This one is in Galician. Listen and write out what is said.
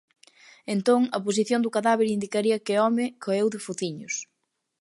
Entón a posición do cadáver indicaría que o home caeu de fociños.